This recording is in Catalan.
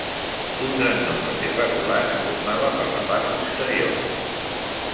Un gran nombre d'irregulars formava per la part posterior.